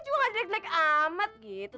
lu juga gak deg deg amat gitu